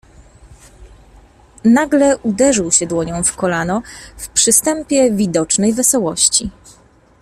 "Nagle uderzył się dłonią w kolano, w przystępie widocznej wesołości."